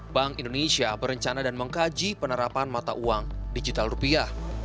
bank indonesia berencana dan mengkaji penerapan mata uang digital rupiah